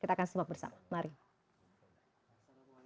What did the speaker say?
kita akan simak bersama mari